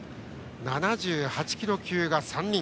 ７８キロ級が３人。